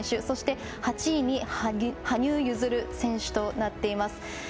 そして、８位に羽生結弦選手となっています。